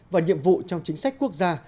và nhiệm vụ trong chính sách quốc gia